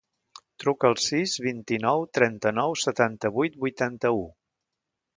Truca al sis, vint-i-nou, trenta-nou, setanta-vuit, vuitanta-u.